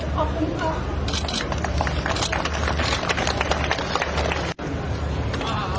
ขอบคุณค่ะ